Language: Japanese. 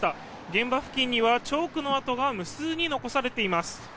現場付近にはチョークの跡が無数に残されています。